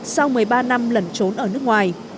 sau một mươi ba năm lẩn trốn ở nước ngoài